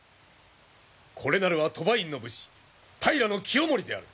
これなるは鳥羽院の武士平清盛である！